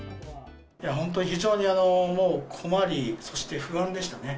本当、非常にもう、困り、そして不安でしたね。